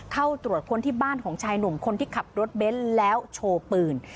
เข้าตรวจค้นที่บ้านของชายหนุ่มคนที่ขับรถเบนท์แล้วโชว์ปืน